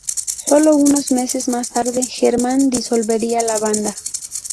Sólo unos meses más tarde, Herman disolvería la banda.